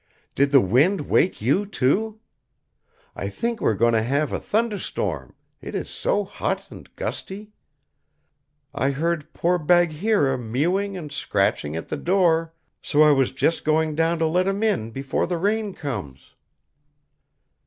Did the wind wake you, too? I think we are going to have a thunder storm, it is so hot and gusty. I heard poor Bagheera mewing and scratching at the door, so I was just going down to let him in before the rain comes."